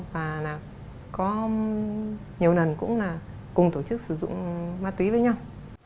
và là có nhiều lần cũng là cùng tổ chức sử dụng ma túy với nhau